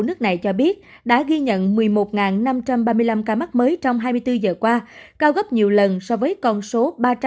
nước này cho biết đã ghi nhận một mươi một năm trăm ba mươi năm ca mắc mới trong hai mươi bốn giờ qua cao gấp nhiều lần so với con số ba trăm linh